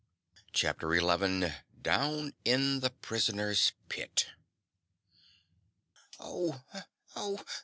CHAPTER 11 Down to the Prisoners' Pit! "Oh! Oh!